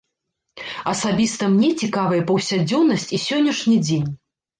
Асабіста мне цікавая паўсядзённасць і сённяшні дзень.